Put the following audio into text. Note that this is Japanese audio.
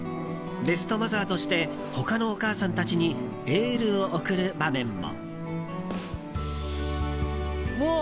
ベストマザーとして他のお母さんたちにエールを送る場面も。